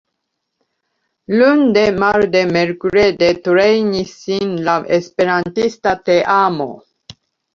Lunde, marde, merkrede trejnis sin la esperantista teamo.